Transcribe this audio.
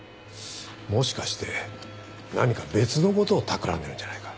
もしかして何か別のことをたくらんでるんじゃないか？